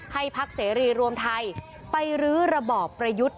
พักเสรีรวมไทยไปรื้อระบอบประยุทธ์